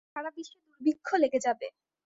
সারাবিশ্বে দূর্ভিক্ষ লেগে যাবে।